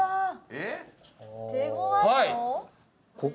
えっ？